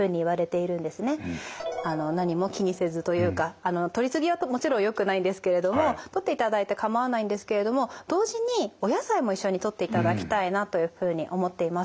何も気にせずというかとりすぎはもちろんよくないんですけれどもとっていただいて構わないんですけれども同時にお野菜も一緒にとっていただきたいなというふうに思っています。